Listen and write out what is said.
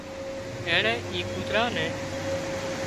اينڻي اي ڪوترا نين